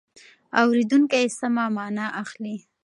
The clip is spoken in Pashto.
اورېدونکی سمه مانا اخلي.